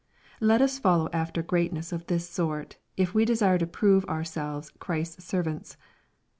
Let us follow after greatness of this sort, if we desire to prove ourselves Christ's servants.